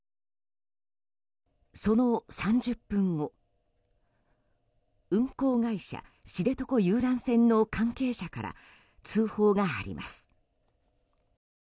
その３０分後、運航会社知床遊覧船の関係者から通報があります。